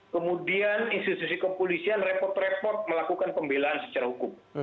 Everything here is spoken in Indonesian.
kemudian institusi kepolisian repot repot melakukan pembelaan secara hukum